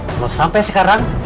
kalau sampai sekarang